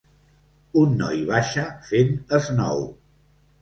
Un noi baixa fent snow.